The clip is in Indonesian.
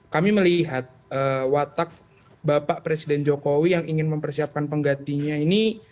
kami melihat watak bapak presiden jokowi yang ingin mempersiapkan penggantinya ini